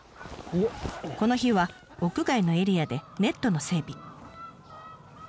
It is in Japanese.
この日は屋外のエリアでネットの整備。